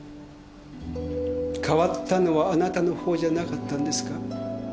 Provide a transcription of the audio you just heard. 変わったのはあなたのほうじゃなかったんですか？